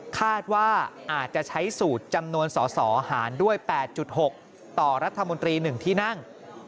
คาดว่าอาจจะใช้สูตรจำนวนสสหารด้วย๘๖ต่อรัฐมนตรี๑ที่นั่ง